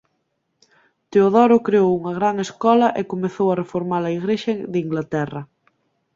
Teodoro creou unha gran escola e comezou a reformar a Igrexa de Inglaterra.